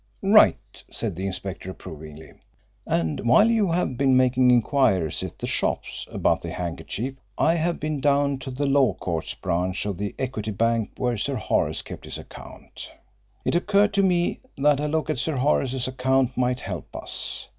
"Right," said the inspector approvingly. "And while you have been making inquiries at the shops about the handkerchief I have been down to the Law Courts branch of the Equity Bank where Sir Horace kept his account. It occurred to me that a look at Sir Horace's account might help us.